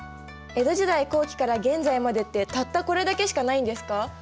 江戸時代後期から現在までってたったこれだけしかないんですか？